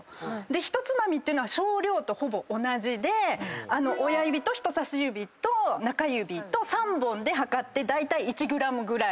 ひとつまみっていうのは少量とほぼ同じで親指と人さし指と中指と３本で量ってだいたい１ｇぐらい。